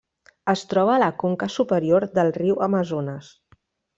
Es troba a la conca superior del riu Amazones.